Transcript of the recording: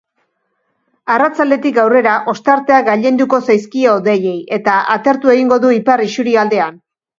Arratsaldetik aurrera ostarteak gailenduko zaizkie hodeiei, eta atertu egingo du ipar isurialdean.